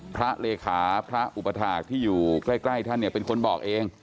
พระเรขาพระอุปทราชินิตที่อยู่ใกล้ท่านเป็นคนบอกเอง